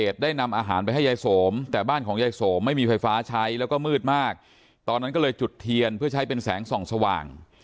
ที่ไฟฟ้าใช้แล้วก็มืดมากตอนนั้นก็เลยจุดเทียนเพื่อใช้เป็นแสงส่องสว่าง